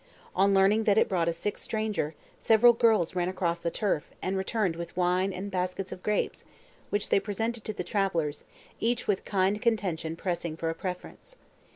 On learning that it brought a sick stranger, several girls ran across the turf, and returned with wine and baskets of grapes, which they presented to the travellers, each with kind contention pressing for a preference.